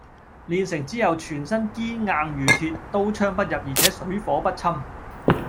練成之後全身堅硬如鐵，刀槍不入而且水火不侵